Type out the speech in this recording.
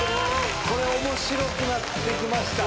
これ面白くなって来ました。